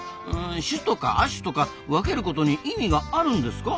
種とか亜種とか分けることに意味があるんですか？